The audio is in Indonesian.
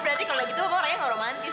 berarti kalo gitu kok orangnya gak romantis